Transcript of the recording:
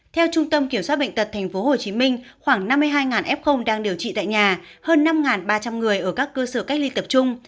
theo trung tâm kiểm soát bệnh tật tp hcm khoảng năm mươi hai f đang điều trị tại nhà hơn năm ba trăm linh người ở các cơ sở cách ly tập trung